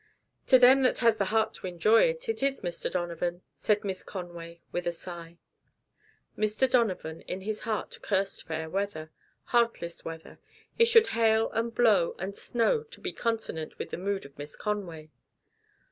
"To them that has the heart to enjoy it, it is, Mr. Donovan," said Miss Conway, with a sigh. Mr. Donovan in his heart cursed fair weather. Heartless weather! It should hail and blow and snow to be consonant with the mood of Miss Conway.